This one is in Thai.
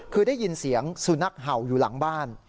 คือได้ยินเสียงสุนัขเห่าอยู่หลังบ้าน